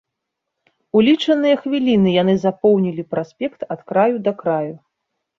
У лічаныя хвіліны яны запоўнілі праспект ад краю да краю.